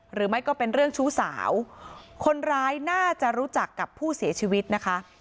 หรือไม่ก็เป็นเรื่องชู้สาวคนร้ายน่าจะรู้จักกับผู้เสียชีวิตนะคะ